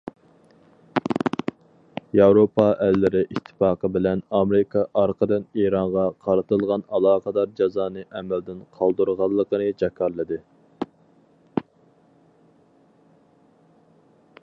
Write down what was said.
ياۋروپا ئەللىرى ئىتتىپاقى بىلەن ئامېرىكا ئارقىدىن ئىرانغا قارىتىلغان ئالاقىدار جازانى ئەمەلدىن قالدۇرغانلىقىنى جاكارلىدى.